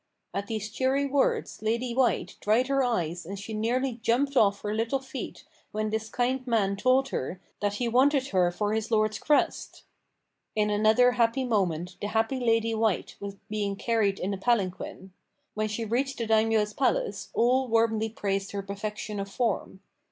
At these cheery words Lady White dried her eyes and she nearly jumped off her little feet when this kind man told her that he wanted her for his lord's crest! In another happy moment the happy Lady White was being carried in a palanquin. When she reached the Daimyo's palace all warmly praised her perfection of form.